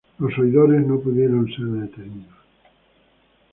Los oidores no pudieron ser detenidos.